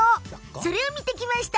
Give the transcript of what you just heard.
それを見てきました。